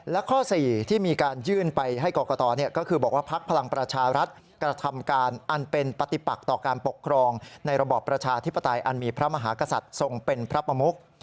และข้อ๔ที่มีการยื่นไปให้กรกตก็คือบอกว่าพักพลังประชารัฐกระทำการอันเป็นปฏิปักต่อการปกครองในระบอบประชาธิปไตยอันมีพระมหากษัตริย์ทรงเป็นพระประมุก